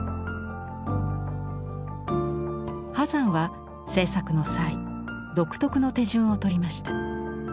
波山は制作の際独特の手順をとりました。